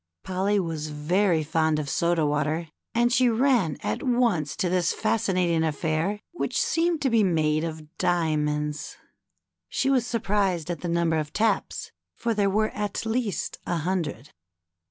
Polly was very fond of soda water, and she ran at once to this fascinating affair, which seemed to be made of diamonds. She was sur prised at the number of taps, for there were at least a hundred.